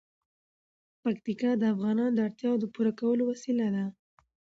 پکتیکا د افغانانو د اړتیاوو د پوره کولو وسیله ده.